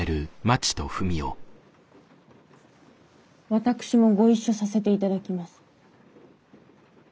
私もご一緒させて頂きます。